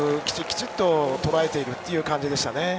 きちっととらえているという感じでしたね。